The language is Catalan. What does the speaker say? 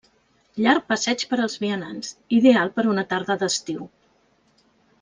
Llarg passeig per als vianants, ideal per a una tarda d'estiu.